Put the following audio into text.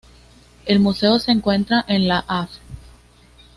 El museo se encuentra en la Av.